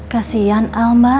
kasian al mbak